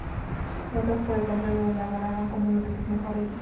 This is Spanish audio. Otros, por el contrario, lo alabaron como uno de sus mejores discos.